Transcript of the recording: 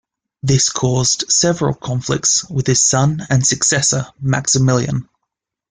This caused several conflicts with his son and successor Maximilian.